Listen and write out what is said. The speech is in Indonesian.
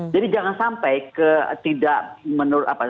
jadi jangan sampai tidak menurut